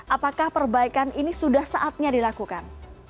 apakah perbaikan ini sudah saatnya dilakukan